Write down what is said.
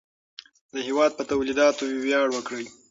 د هېواد په تولیداتو ویاړ وکړئ.